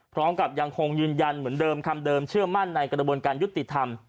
พร้อมกับยังคงยืนยันเหมือนเดิมคำเดิมเชื่อมั่นในกระบวนการยุติธรรม